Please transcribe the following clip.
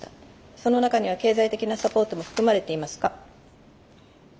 その中には経済的なサポートも含まれていますか？